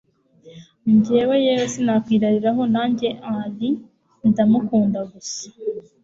Njye yewe sinakwirariraho nanjye Henry ndamukunda gusa